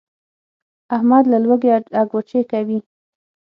احمد له لوږې اګوچې کوي.